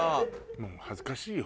もう恥ずかしいよ。